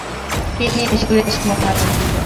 এই নিয়ে সুরেশ মহা উৎসাহিত।